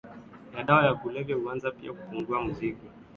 ya dawa za kulevya huanza pia kupungua Mzigo unaosababishwa na alostati